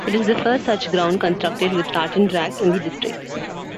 It is the first such ground constructed with tartan track in the district.